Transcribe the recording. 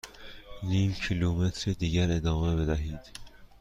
نیم کیلومتر دیگر ادامه بدهید.